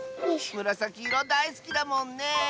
むらさきいろだいすきだもんね！